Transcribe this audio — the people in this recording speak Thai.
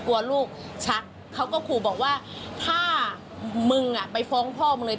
กลัวลูกชักเขาก็ขู่บอกว่าถ้ามึงอ่ะไปฟ้องพ่อมึงเลย